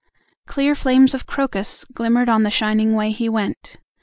Clear flames of Crocus glimmered on The shining way he went.